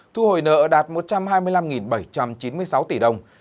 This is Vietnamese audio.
thu hồi nợ đạt một trăm hai mươi năm bảy trăm chín mươi sáu tỷ đồng